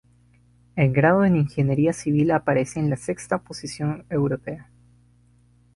El grado en Ingeniería Civil aparece en la sexta posición europea.